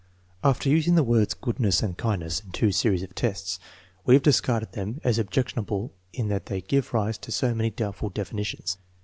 After using the words goodness and kindness in two series of tests, we have discarded them as objectionable in that they give rise to so many doubtful definitions.